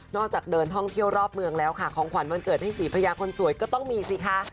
จากเดินท่องเที่ยวรอบเมืองแล้วค่ะของขวัญวันเกิดให้ศรีพญาคนสวยก็ต้องมีสิคะ